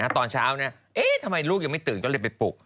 ตอนเช้าทำไมลูกยังไม่ตื่นก็เลยไปปลุก